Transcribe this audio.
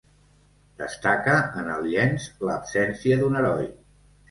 Destaca en el llenç l'absència d'un heroi.